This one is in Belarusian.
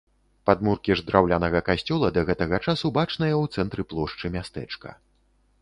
Падмуркі ж драўлянага касцёла да гэтага часу бачныя ў цэнтры плошчы мястэчка.